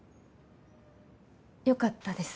よかったです。